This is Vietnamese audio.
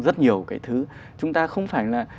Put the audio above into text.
rất nhiều cái thứ chúng ta không phải là